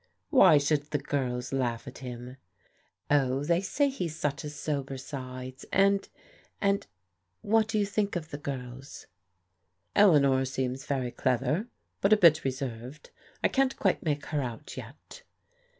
" Why should the girls laugh at him ?" Oh, they say he's such a sobersides, — and — and — what do you think of the girls? " "Eleanor seems very clever, but a bit reserved. I can't quite make her out yet."